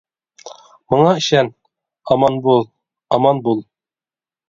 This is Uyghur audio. ماڭا ئىشەن. ئامان بول، ئامان بول!